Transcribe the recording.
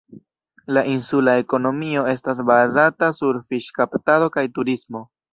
La insula ekonomio estas bazata sur fiŝkaptado kaj turismo.